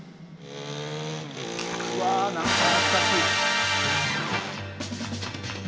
「うわあ！懐かしい」